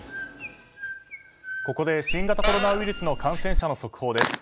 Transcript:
ここで新型コロナウイルスの感染者の速報です。